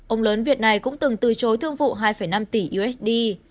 ông lớn việt này cũng từng từ chối thương vụ hai năm tỷ usd